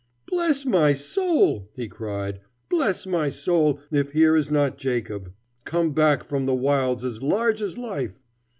"Bless my soul!" he cried, "bless my soul if here is not Jacob, come back from the wilds as large as life!